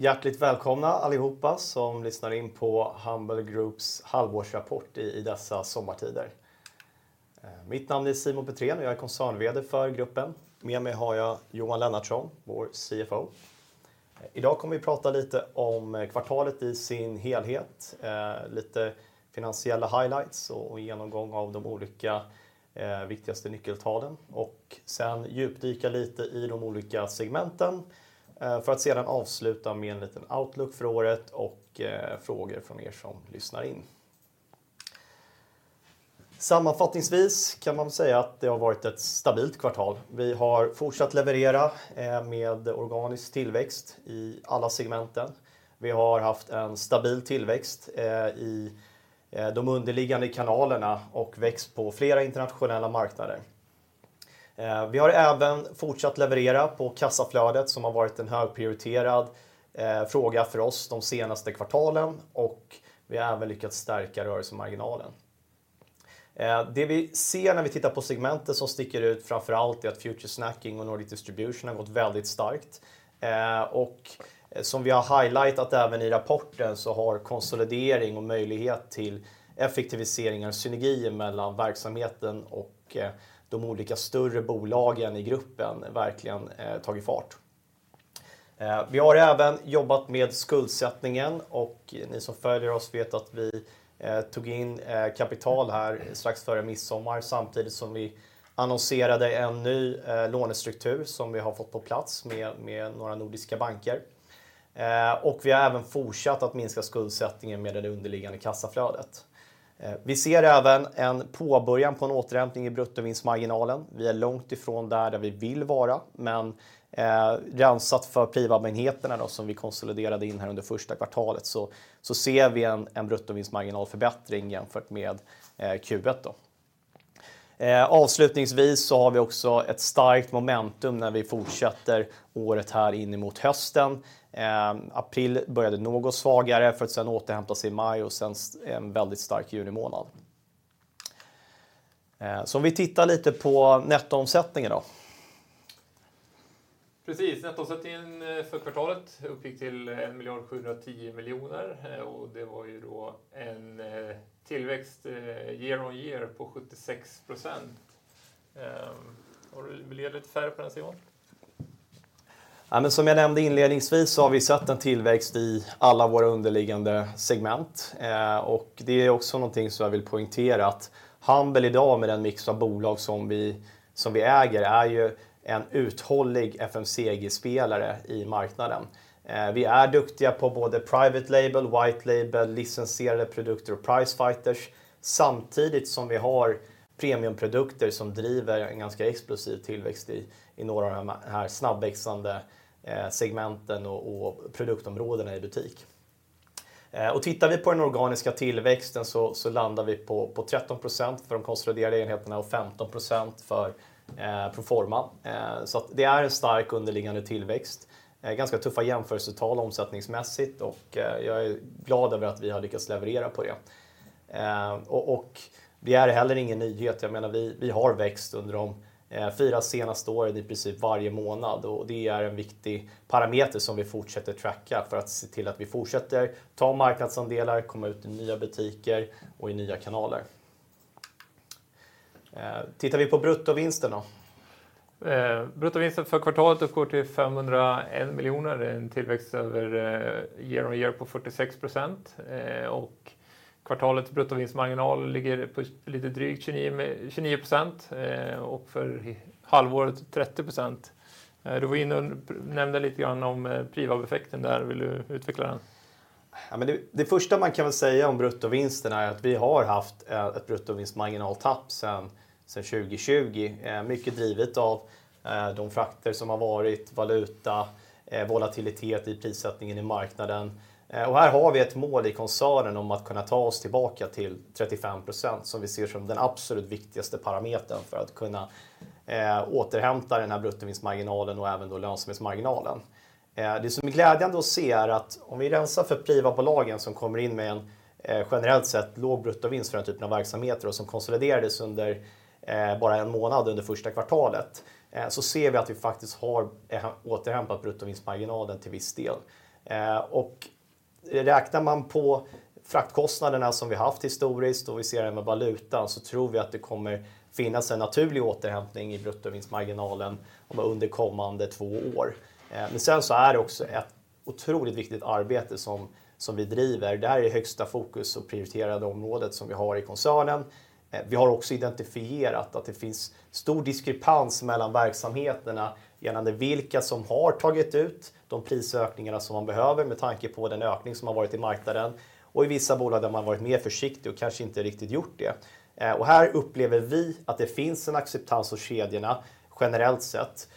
Hjärtligt välkomna allihopa som lyssnar in på Humble Groups halvårsrapport i dessa sommartider. Mitt namn är Simon Petrén och jag är koncernveder för gruppen. Med mig har jag Johan Lennartsson, vår CFO. Idag kommer vi prata lite om kvartalet i sin helhet, lite finansiella highlights och genomgång av de olika, viktigaste nyckeltalen och sedan djupdyka lite i de olika segmenten, för att sedan avsluta med en liten outlook för året och frågor från er som lyssnar in. Sammanfattningsvis kan man säga att det har varit ett stabilt kvartal. Vi har fortsatt leverera, med organisk tillväxt i alla segmenten. Vi har haft en stabil tillväxt, i de underliggande kanalerna och växt på flera internationella marknader. Vi har även fortsatt leverera på kassaflödet som har varit en högprioriterad fråga för oss de senaste kvartalen och vi har även lyckats stärka rörelsemarginalen. Det vi ser när vi tittar på segmenten som sticker ut, framför allt, är att Future Snacking och Nordic Distribution har gått väldigt starkt. Som vi har highlighted även i rapporten så har konsolidering och möjlighet till effektiviseringar och synergi mellan verksamheten och de olika större bolagen i gruppen verkligen tagit fart. Vi har även jobbat med skuldsättningen och ni som följer oss vet att vi tog in kapital här strax före midsommar, samtidigt som vi annonserade en ny lånestruktur som vi har fått på plats med några nordiska banker. Och vi har även fortsatt att minska skuldsättningen med det underliggande kassaflödet. Vi ser även en påbörjan på en återhämtning i bruttovinstmarginalen. Vi är långt ifrån där vi vill vara, men rensat för Privab-enheterna då som vi konsoliderade in här under första kvartalet, ser vi en bruttovinstmarginalförbättring jämfört med Q1 då. Avslutningsvis har vi också ett starkt momentum när vi fortsätter året här in emot hösten. April började något svagare för att sedan återhämta sig i maj en väldigt stark junimånad. Om vi tittar lite på nettoomsättningen då. Precis, nettoomsättningen för kvartalet uppgick till 1,710 million och det var ju då en tillväxt year-over-year på 76%. Har du lite färre för den, Simon? Som jag nämnde inledningsvis så har vi sett en tillväxt i alla våra underliggande segment. Det är också någonting som jag vill poängtera, att Humble i dag med den mix av bolag som vi äger, är ju en uthållig FMCG-spelare i marknaden. Vi är duktiga på både private label, white label, licensierade produkter och price fighters, samtidigt som vi har premiumprodukter som driver en ganska explosiv tillväxt i några av de här snabbväxande segmenten och produktområdena i butik. Tittar vi på den organiska tillväxten så landar vi på 13% för de konsoliderade enheterna och 15% för pro forma. Det är en stark underliggande tillväxt. Ganska tuffa jämförelsetal omsättningsmässigt och jag är glad över att vi har lyckats leverera på det. Det är heller ingen nyhet. Jag menar, vi har växt under de 4 senaste åren i princip varje månad. Det är en viktig parameter som vi fortsätter tracka för att se till att vi fortsätter ta marknadsandelar, komma ut i nya butiker och i nya kanaler. Tittar vi på bruttovinsten då? Bruttovinsten för kvartalet uppgår till 501 million. It is a growth year-over-year of 46%, and the quarter's gross profit margin is just over 29%, and for the half-year 30%. Du var in och nämnde lite grann om Privab-effekten där. Vill du utveckla den? Det första man kan väl säga om bruttovinsten är att vi har haft ett bruttovinstmarginaltapp sedan 2020. Mycket drivit av de frakter som har varit, valuta, volatilitet i prissättningen i marknaden. Här har vi ett mål i koncernen om att kunna ta oss tillbaka till 35%, som vi ser som den absolut viktigaste parametern för att kunna återhämta den här bruttovinstmarginalen och även då lönsamhetsmarginalen. Det som är glädjande att se är att om vi rensar för Privab-bolagen som kommer in med en, generellt sett, låg bruttovinst för den typen av verksamheter och som konsoliderades under bara en månad under första kvartalet, så ser vi att vi faktiskt har återhämtat bruttovinstmarginalen till viss del. Räknar man på fraktkostnaderna som vi haft historiskt och vi ser det med valutan, tror vi att det kommer finnas en naturlig återhämtning i bruttovinstmarginalen under kommande 2 år. Det är också ett otroligt viktigt arbete som vi driver. Det här är högsta fokus och prioriterade området som vi har i koncernen. Vi har också identifierat att det finns stor diskrepans mellan verksamheterna gällande vilka som har tagit ut de prisökningarna som man behöver med tanke på den ökning som har varit i marknaden och i vissa bolag där man varit mer försiktig och kanske inte riktigt gjort det. Här upplever vi att det finns en acceptans hos kedjorna, generellt sett.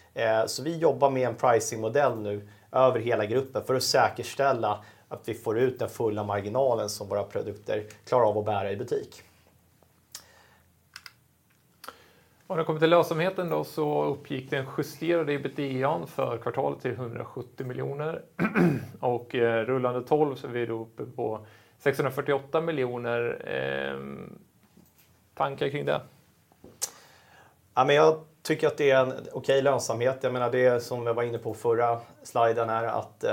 Vi jobbar med en pricing model nu över hela gruppen för att säkerställa att vi får ut den fulla marginalen som våra produkter klarar av att bära i butik. När det kommer till lönsamheten då, så uppgick den justerade EBITDA för kvartalet till 170 million. Rullande tolv så är vi då uppe på 648 million. Tankar kring det? Ja, jag tycker att det är en okej lönsamhet. Jag menar, det som jag var inne på förra sliden är att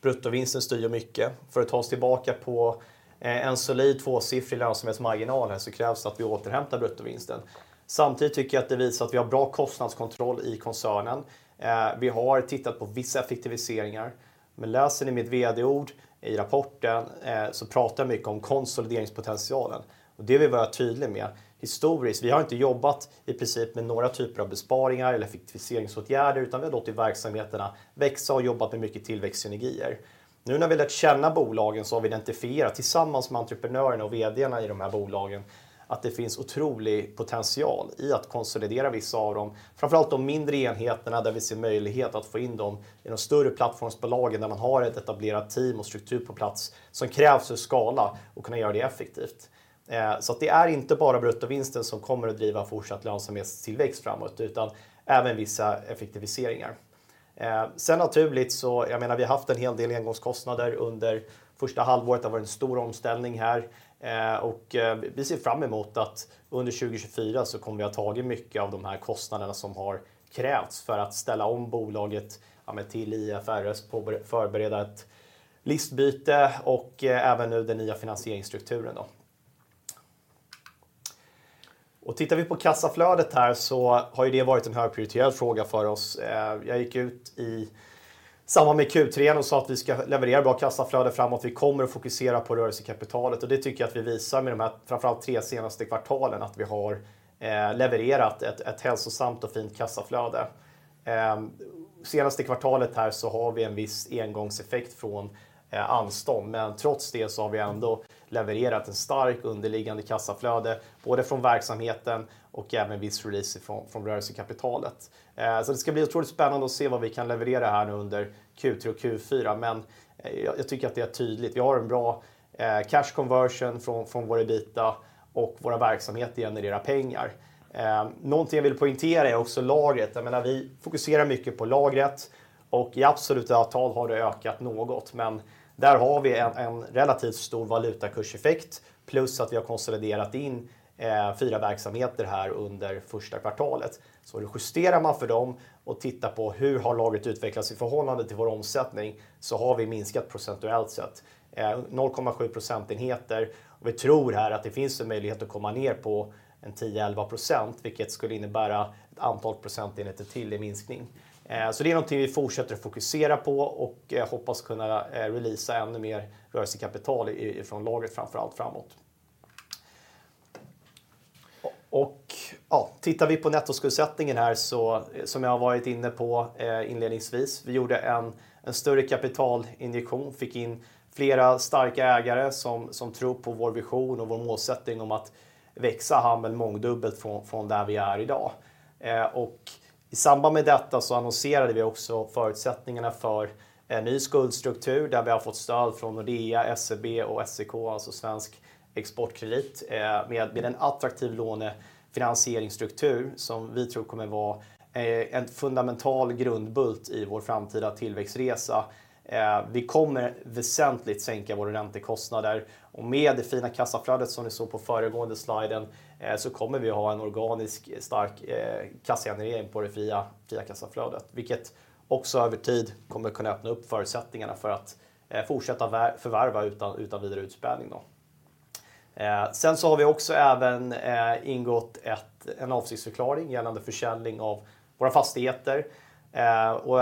bruttovinsten styr mycket. För att ta oss tillbaka på en solid 2-siffrig lönsamhetsmarginalen så krävs att vi återhämtar bruttovinsten. Tycker jag att det visar att vi har bra kostnadskontroll i koncernen. Vi har tittat på vissa effektiviseringar, men läser ni mitt vd-ord i rapporten så pratar jag mycket om konsolideringspotentialen. Det är vi vara tydlig med. Historiskt, vi har inte jobbat i princip med några typer av besparingar eller effektiviseringsåtgärder, utan vi har låtit verksamheterna växa och jobbat med mycket tillväxtsynergier. Nu när vi har lärt känna bolagen så har vi identifierat tillsammans med entreprenörerna och VD:arna i de här bolagen, att det finns otrolig potential i att konsolidera vissa av dem, framför allt de mindre enheterna, där vi ser möjlighet att få in dem i de större plattformsbolagen, där man har ett etablerat team och struktur på plats som krävs för att skala och kunna göra det effektivt. Det är inte bara bruttovinsten som kommer att driva fortsatt lönsamhetstillväxt framåt, utan även vissa effektiviseringar. Naturligt, jag menar, vi har haft en hel del engångskostnader under första halvåret. Det har varit en stor omställning här, och vi ser fram emot att under 2024 så kommer vi att ha tagit mycket av de här kostnaderna som har krävts för att ställa om bolaget, till IFRS, förbereda ett listbyte och även nu den nya finansieringsstrukturen då. Tittar vi på kassaflödet här så har det varit en högprioriterad fråga för oss. Jag gick ut i samband med Q3 och sa att vi ska leverera bra kassaflöde framåt. Vi kommer att fokusera på rörelsekapitalet och det tycker jag att vi visar med de här, framför allt tre senaste kvartalen, att vi har levererat ett hälsosamt och fint kassaflöde. Senaste kvartalet här så har vi en viss engångseffekt från Ansdorm, men trots det så har vi ändå levererat en stark underliggande kassaflöde, både från verksamheten och även viss release från rörelsekapitalet. Det ska bli otroligt spännande att se vad vi kan leverera här under Q3 och Q4, men jag tycker att det är tydligt. Vi har en bra cash conversion från vår EBITDA och våra verksamheter genererar pengar. Någonting jag vill poängtera är också lagret. Jag menar, vi fokuserar mycket på lagret och i absoluta tal har det ökat något, men där har vi en relativt stor valutakurseffekt plus att vi har konsoliderat in four verksamheter här under first quarter. Justerar man för dem och tittar på hur har lagret utvecklats i förhållande till vår omsättning, så har vi minskat procentuellt sett. 0.7 percentage points. Vi tror här att det finns en möjlighet att komma ner på en 10-11%, vilket skulle innebära a number of percentage points till i minskning. Det är någonting vi fortsätter att fokusera på och hoppas kunna release ännu mer rörelsekapital från lagret, framför allt framåt. Ja, tittar vi på nettoskuldsättningen här så, som jag har varit inne på inledningsvis, vi gjorde en större kapitalinjektion, fick in flera starka ägare som tror på vår vision och vår målsättning om att växa Hammel mångdubbelt från där vi är i dag. Och i samband med detta så annonserade vi också förutsättningarna för en ny skuldstruktur, där vi har fått stöd från Nordea, SEB och SEK, alltså Svensk Exportkredit, med en attraktiv lånefinansieringsstruktur som vi tror kommer vara en fundamental grundbult i vår framtida tillväxtresa. Vi kommer väsentligt sänka våra räntekostnader och med det fina kassaflödet som ni såg på föregående sliden, så kommer vi att ha en organisk, stark kassagenerering på det fria kassaflödet, vilket också över tid kommer att kunna öppna upp förutsättningarna för att fortsätta förvärva utan vidare utspädning då. Vi har också även ingått en avsiktsförklaring gällande försäljning av våra fastigheter.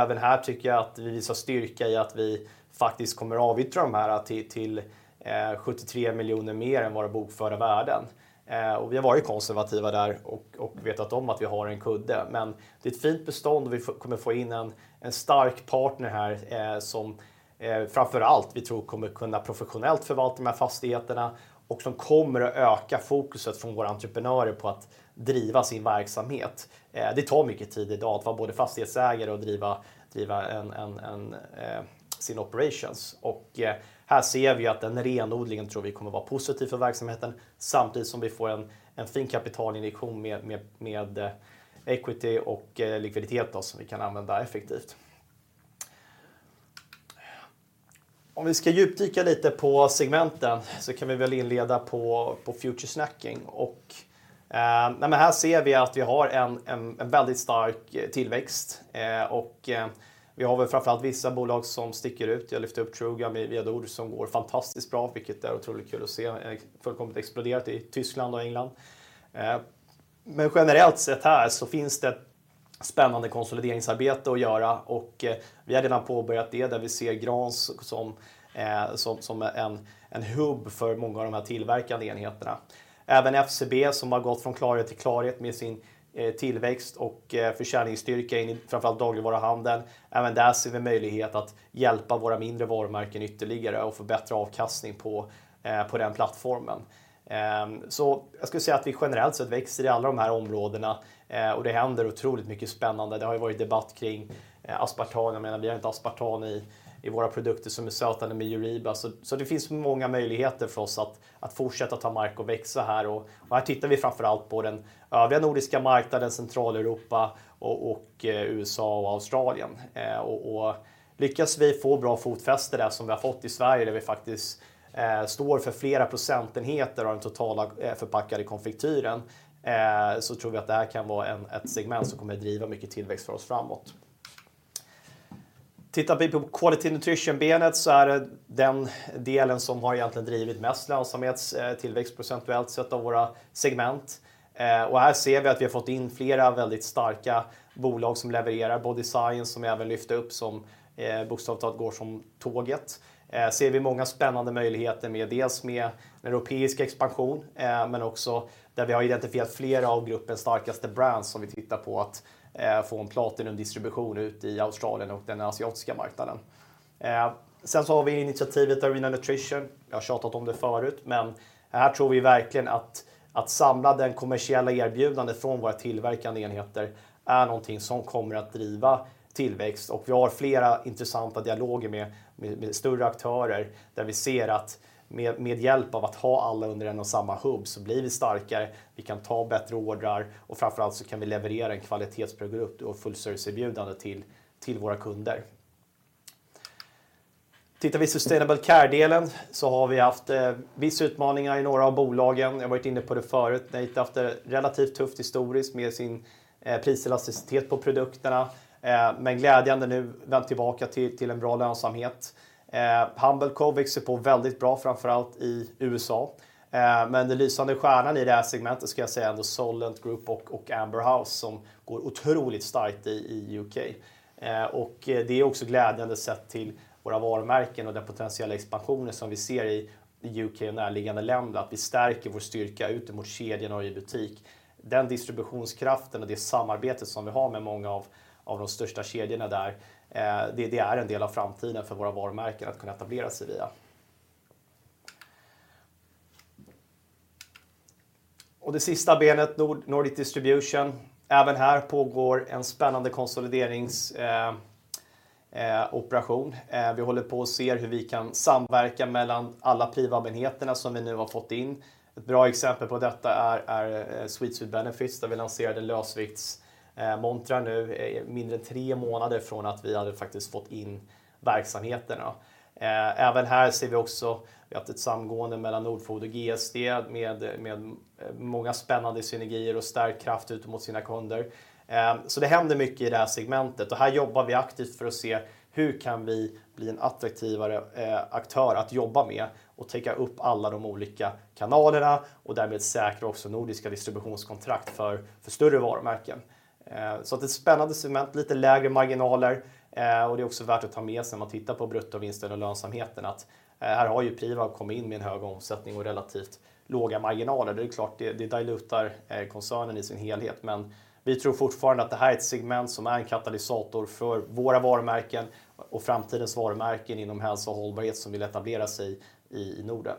Även här tycker jag att vi visar styrka i att vi faktiskt kommer avyttra de här till 73 million mer än våra bokförda värden. Vi har varit konservativa där och vetat om att vi har en kudde, men det är ett fint bestånd och vi kommer att få in en stark partner här, som framför allt vi tror kommer kunna professionellt förvalta de här fastigheterna och som kommer att öka fokuset från våra entreprenörer på att driva sin verksamhet. Det tar mycket tid i dag att vara både fastighetsägare och driva sin operations. Här ser vi att en renodling tror vi kommer vara positiv för verksamheten, samtidigt som vi får en fin kapitalinjektion med equity och likviditet då, som vi kan använda effektivt. Om vi ska djupdyka lite på segmenten så kan vi väl inleda på Future Snacking. Här ser vi att vi har en väldigt stark tillväxt och vi har väl framför allt vissa bolag som sticker ut. Jag lyfte upp True Gum i VD-ord, som går fantastiskt bra, vilket är otroligt kul att se. Fullkomligt exploderat i Tyskland och England. Generellt sett här så finns det ett spännande konsolideringsarbete att göra och vi har redan påbörjat det, där vi ser Grahns som en hubb för många av de här tillverkande enheterna. Även FCB, som har gått från klarhet till klarhet med sin tillväxt och försäljningsstyrka in i framför allt dagligvaruhandeln. Även där ser vi möjlighet att hjälpa våra mindre varumärken ytterligare och få bättre avkastning på den plattformen. Jag skulle säga att vi generellt sett växer i alla de här områdena och det händer otroligt mycket spännande. Det har ju varit debatt kring aspartame. Jag menar, vi har inte aspartame i våra produkter som är sötade med EUREBA. Det finns många möjligheter för oss att fortsätta ta mark och växa här. Här tittar vi framför allt på den övriga nordiska marknaden, Centraleuropa och USA och Australien. Lyckas vi få bra fotfäste där, som vi har fått i Sverige, där vi faktiskt står för flera procentenheter av den totala förpackade konfektyren, så tror vi att det här kan vara ett segment som kommer att driva mycket tillväxt för oss framåt. Tittar vi på Quality Nutrition-benet så är det den delen som har egentligen drivit mest lönsamhet, tillväxt procentuellt sett av våra segment. Här ser vi att vi har fått in flera väldigt starka bolag som levererar Body Science, som även lyfte upp, som bokstavligt talat går som tåget. Ser vi många spännande möjligheter med, dels med europeisk expansion, men också där vi har identifierat flera av gruppens starkaste brands som vi tittar på att få en platinum distribution ut i Australien och den asiatiska marknaden. Vi har initiativet Arena Nutrition. Jag har tjatat om det förut, men här tror vi verkligen att samla det kommersiella erbjudandet från våra tillverkande enheter är någonting som kommer att driva tillväxt. Vi har flera intressanta dialoger med större aktörer, där vi ser att med hjälp av att ha alla under en och samma hubb så blir vi starkare, vi kan ta bättre ordrar och framför allt så kan vi leverera en kvalitetsprodukt och fullserviceerbjudande till våra kunder. Tittar vi Sustainable Care-delen så har vi haft viss utmaningar i några av bolagen. Jag har varit inne på det förut. Night efter relativt tufft historiskt med sin priselasticitet på produkterna, men glädjande nu väl tillbaka till en bra lönsamhet. Humble Co växer på väldigt bra, framför allt i USA. Den lysande stjärnan i det här segmentet ska jag säga är ändå Solent Group och Amber House, som går otroligt starkt i UK. Det är också glädjande sett till våra varumärken och den potentiella expansionen som vi ser i UK och närliggande länder, att vi stärker vår styrka ut mot kedjorna och i butik. Den distributionskraften och det samarbetet som vi har med många av de största kedjorna där, det är en del av framtiden för våra varumärken att kunna etablera sig via. Det sista benet, Nordic Distribution. Även här pågår en spännande konsoliderings operation. Vi håller på och ser hur vi kan samverka mellan alla Privab-enheterna som vi nu har fått in. Ett bra exempel på detta är Sweets With Benefits, där vi lanserade lösviktsmontrar nu, mindre än 3 månader från att vi hade faktiskt fått in verksamheterna. Även här ser vi också, vi har haft ett samgående mellan Nordfood och GSD med många spännande synergier och stark kraft ut mot sina kunder. Det händer mycket i det här segmentet och här jobbar vi aktivt för att se hur kan vi bli en attraktivare aktör att jobba med och täcka upp alla de olika kanalerna och därmed säkra också nordiska distributionskontrakt för större varumärken. Ett spännande segment, lite lägre marginaler, och det är också värt att ta med sig när man tittar på bruttovinsten och lönsamheten, att här har ju Privab kommit in med en höga omsättning och relativt låga marginaler. Det är klart, det dilutar koncernen i sin helhet, men vi tror fortfarande att det här är ett segment som är en katalysator för våra varumärken och framtidens varumärken inom hälsa och hållbarhet som vill etablera sig i Norden.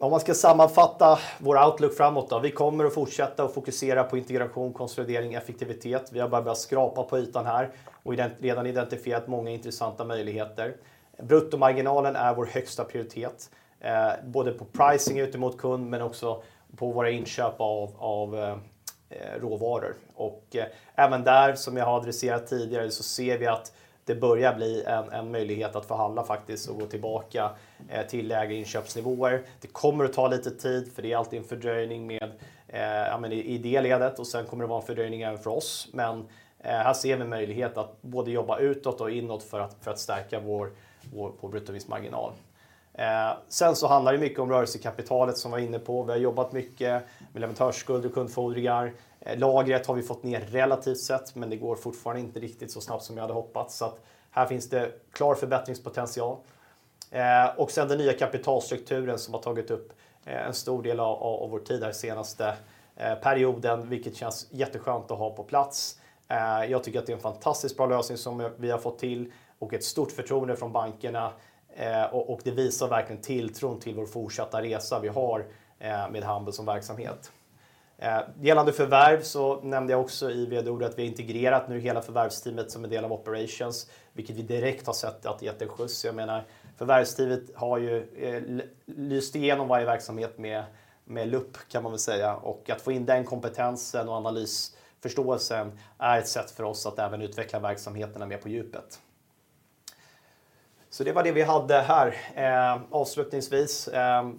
Om man ska sammanfatta vår outlook framåt då. Vi kommer att fortsätta att fokusera på integration, konsolidering, effektivitet. Vi har bara börjat skrapa på ytan här och redan identifierat många intressanta möjligheter. Bruttomarginalen är vår högsta prioritet, både på pricing ut mot kund, men också på våra inköp av råvaror. Även där, som jag har adresserat tidigare, så ser vi att det börjar bli en möjlighet att förhandla faktiskt och gå tillbaka till lägre inköpsnivåer. Det kommer att ta lite tid för det är alltid en fördröjning med, ja men i det ledet och sedan kommer det vara en fördröjning även för oss. Här ser vi möjlighet att både jobba utåt och inåt för att stärka vår bruttovinstmarginal. Handlar det mycket om rörelsekapitalet som var inne på. Vi har jobbat mycket med leverantörsskuld och kundfordringar. Lagret har vi fått ner relativt sett, men det går fortfarande inte riktigt så snabbt som jag hade hoppats. Här finns det klar förbättringspotential. Den nya kapitalstrukturen som har tagit upp en stor del av vår tid här senaste perioden, vilket känns jätteskönt att ha på plats. Jag tycker att det är en fantastiskt bra lösning som vi har fått till och ett stort förtroende från bankerna, och det visar verkligen tilltron till vår fortsatta resa vi har med Humble som verksamhet. Gällande förvärv så nämnde jag också i CEO-ordet att vi har integrerat nu hela förvärvsteamet som en del av operations, vilket vi direkt har sett att gett en skjuts. Jag menar, förvärvsteamet har ju lyst igenom varje verksamhet med lupp, kan man väl säga, och att få in den kompetensen och analysförståelsen är ett sätt för oss att även utveckla verksamheterna mer på djupet. Det var det vi hade här. Avslutningsvis,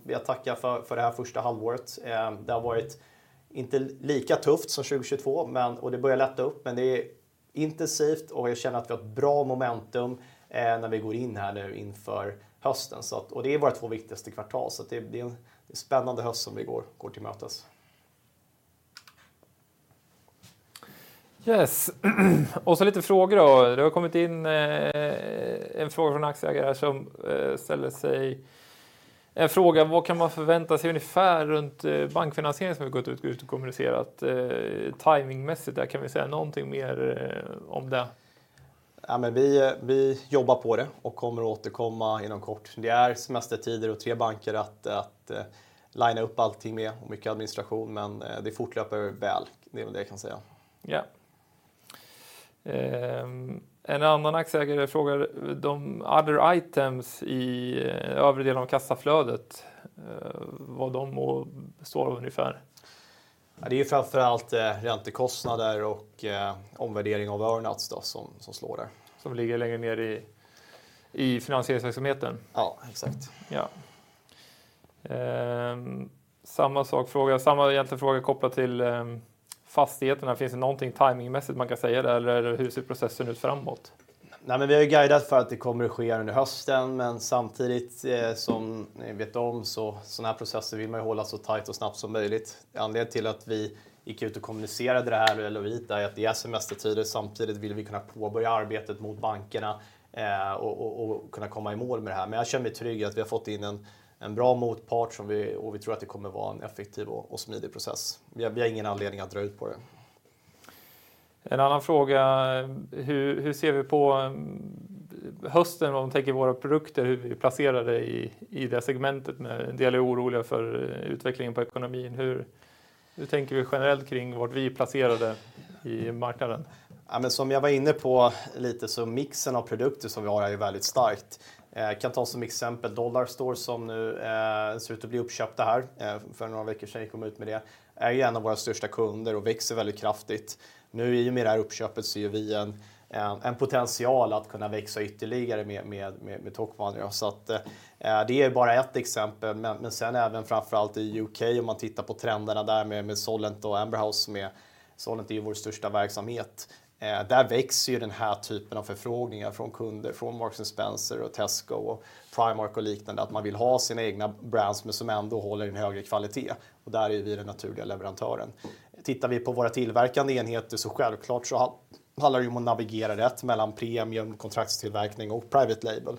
vill jag tacka för det här första halvåret. Det har varit inte lika tufft som 2022, men... Det börjar lätta upp, men det är intensivt och jag känner att vi har ett bra momentum när vi går in här nu inför hösten. Det är våra 2 viktigaste kvartal, så det är en spännande höst som vi går till mötes. Yes, och så lite frågor då. Det har kommit in en fråga från en aktieägare som ställer sig en fråga: Vad kan man förvänta sig ungefär runt bankfinansiering som vi gått ut och kommunicerat? Timingmässigt, där kan vi säga någonting mer om det? Vi jobbar på det och kommer återkomma inom kort. Det är semestertider och 3 banker att linea upp allting med och mycket administration, men det fortlöper väl. Det är väl det jag kan säga. Ja. en annan aktieägare frågar: De other items i övre delen av kassaflödet, vad de består av ungefär? Det är framför allt räntekostnader och omvärdering av earnouts då, som slår där. Som ligger längre ner i finansieringsverksamheten? Ja, exakt. samma sak, samma egentliga fråga kopplat till fastigheterna. Finns det någonting timingmässigt man kan säga där? hur ser processen ut framåt? Vi har ju guidat för att det kommer att ske under hösten, men samtidigt som ni vet om så sådana här processer vill man ju hålla så tajt och snabbt som möjligt. Anledningen till att vi gick ut och kommunicerade det här är att det är semestertider. Samtidigt vill vi kunna påbörja arbetet mot bankerna och kunna komma i mål med det här. Jag känner mig trygg i att vi har fått in en bra motpart som vi, och vi tror att det kommer att vara en effektiv och smidig process. Vi har ingen anledning att dra ut på det. En annan fråga. Hur ser vi på hösten om vi tänker på våra produkter, hur vi är placerade i det segmentet? En del är oroliga för utvecklingen på ekonomin. Hur tänker vi generellt kring vart vi är placerade i marknaden? Som jag var inne på lite så mixen av produkter som vi har är ju väldigt starkt. Jag kan ta som exempel Dollarstore som nu ser ut att bli uppköpta här. För några veckor sedan kom ut med det, är ju en av våra största kunder och växer väldigt kraftigt. Nu i och med det här uppköpet så ser ju vi en potential att kunna växa ytterligare med Topman. Det är bara ett exempel, men sen även framför allt i UK, om man tittar på trenderna där med Solent och Amber House, som är Solent är ju vår största verksamhet. Där växer ju den här typen av förfrågningar från kunder, från Marks & Spencer och Tesco och Primark och liknande. Att man vill ha sina egna brands, men som ändå håller en högre kvalitet. Och där är vi den naturliga leverantören. Tittar vi på våra tillverkande enheter, självklart handlar det om att navigera rätt mellan premium, kontraktstillverkning och private label.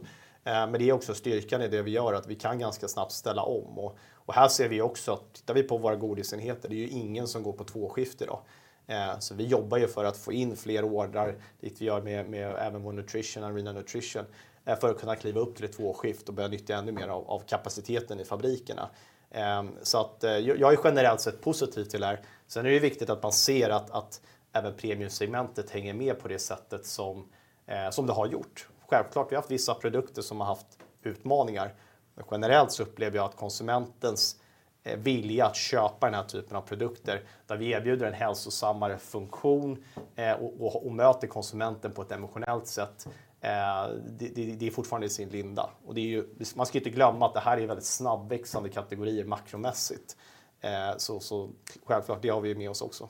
Det är också styrkan i det vi gör, att vi kan ganska snabbt ställa om. Här ser vi också att tittar vi på våra godisenheter, det är ju ingen som går på 2 skift i dag. Vi jobbar ju för att få in fler ordrar, lite vi gör med även vår nutrition, Arena Nutrition, för att kunna kliva upp till ett 2 skift och börja nyttja ännu mer av kapaciteten i fabrikerna. Jag är generellt sett positiv till det här. Det är viktigt att man ser att även premiumsegmentet hänger med på det sättet som det har gjort. Självklart, vi har haft vissa produkter som har haft utmaningar, men generellt upplever jag att konsumentens vilja att köpa den här typen av produkter, där vi erbjuder en hälsosammare funktion och möter konsumenten på ett emotionellt sätt, det är fortfarande i sin linda. Det är ju, man ska inte glömma att det här är väldigt snabbväxande kategorier makromässigt. Självklart, det har vi med oss också.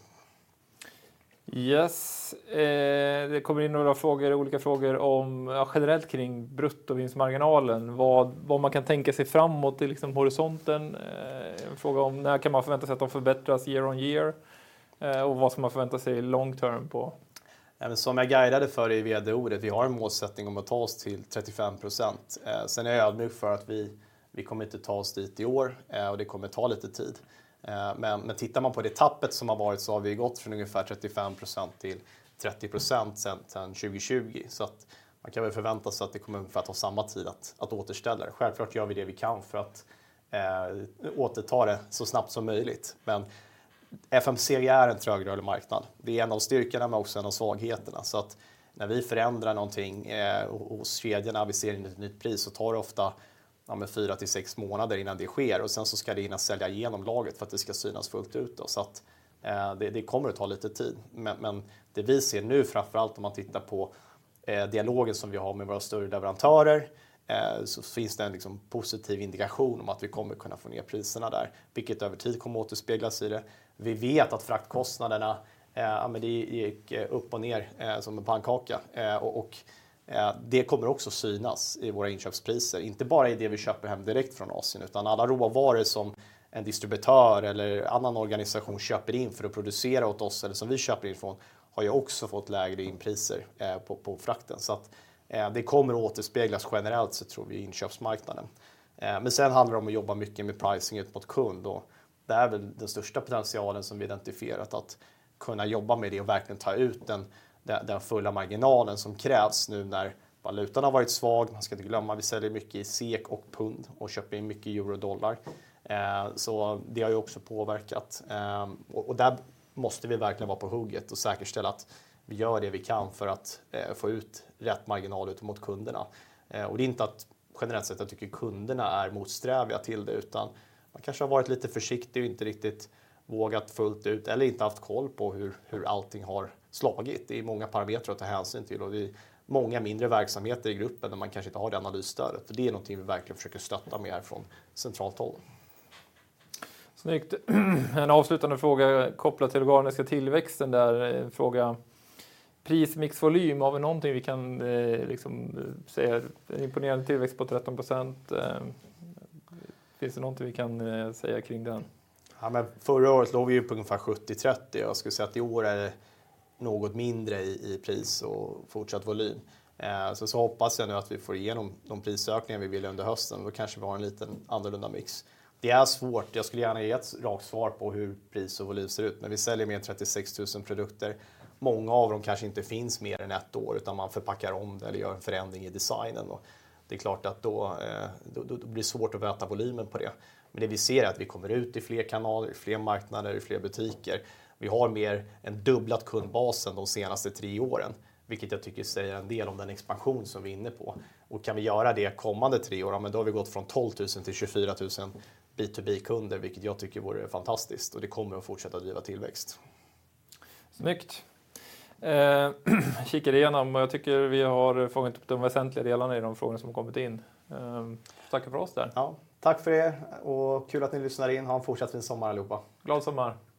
Yes, det kommer in några frågor, olika frågor om generellt kring bruttovinstmarginalen. Vad man kan tänka sig framåt i liksom horisonten? En fråga om när kan man förvänta sig att de förbättras year on year? Vad ska man förvänta sig long term på? Som jag guidade för i VDO, vi har en målsättning om att ta oss till 35%. Är jag ödmjuk för att vi kommer inte ta oss dit i år och det kommer ta lite tid. Tittar man på det tappet som har varit så har vi gått från ungefär 35% till 30% sedan 2020. Man kan väl förvänta sig att det kommer ungefär ta samma tid att återställa det. Självklart gör vi det vi kan för att återta det så snabbt som möjligt. FMCG är en trögrörlig marknad. Det är en av styrkorna, men också en av svagheterna. När vi förändrar någonting hos kedjorna, vi ser in ett nytt pris, så tar det ofta med 4-6 månader innan det sker. Sen så ska det hinna sälja igenom lagret för att det ska synas fullt ut då. Det kommer att ta lite tid. Det vi ser nu, framför allt om man tittar på dialogen som vi har med våra större leverantörer, så finns det en liksom positiv indikation om att vi kommer kunna få ner priserna där, vilket över tid kommer återspeglas i det. Vi vet att fraktkostnaderna, ja men det gick upp och ner som en pannkaka. Det kommer också synas i våra inköpspriser. Inte bara i det vi köper hem direkt från Asia, utan alla råvaror som en distributör eller annan organisation köper in för att producera åt oss eller som vi köper in från, har ju också fått lägre inpriser på frakten. Det kommer att återspeglas generellt så tror vi i inköpsmarknaden. Sen handlar det om att jobba mycket med pricing ut mot kund och det är väl den största potentialen som vi identifierat, att kunna jobba med det och verkligen ta ut den fulla marginalen som krävs nu när valutan har varit svag. Man ska inte glömma, vi säljer mycket i SEK och pound och köper in mycket euro och dollar. Det har ju också påverkat. Där måste vi verkligen vara på hugget och säkerställa att vi gör det vi kan för att få ut rätt marginal ut mot kunderna. Det är inte att generellt sett jag tycker kunderna är motsträviga till det, utan man kanske har varit lite försiktig och inte riktigt vågat fullt ut eller inte haft koll på hur allting har slagit. Det är många parametrar att ta hänsyn till och många mindre verksamheter i gruppen där man kanske inte har det analysstödet. Det är någonting vi verkligen försöker stötta mer från centralt håll. Snyggt! En avslutande fråga kopplat till organiska tillväxten där. En fråga, pris, mix, volym. Har vi någonting vi kan liksom säga? En imponerande tillväxt på 13%. Finns det någonting vi kan säga kring den? Förra året låg vi ju på ungefär 70, 30. Jag skulle säga att i år är det något mindre i pris och fortsatt volym. Hoppas jag nu att vi får igenom de prisökningar vi vill under hösten. Då kanske vi har en liten annorlunda mix. Det är svårt. Jag skulle gärna ge ett rakt svar på hur pris och volym ser ut. När vi säljer mer än 36,000 produkter, många av dem kanske inte finns mer än 1 år, utan man förpackar om det eller gör en förändring i designen. Det är klart att då blir det svårt att mäta volymen på det. Det vi ser är att vi kommer ut i fler kanaler, fler marknader, fler butiker. Vi har mer än dubblat kundbasen de senaste 3 åren, vilket jag tycker säger en del om den expansion som vi är inne på. Kan vi göra det kommande 3 år? Ja, har vi gått från 12,000 till 24,000 B2B-kunder, vilket jag tycker vore fantastiskt och det kommer att fortsätta driva tillväxt. Snyggt! Kikar igenom, jag tycker vi har fångat upp de väsentliga delarna i de frågor som har kommit in. Tacka för oss där. Ja, tack för det och kul att ni lyssnade in. Ha en fortsatt fin sommar, allihopa. Glad sommar!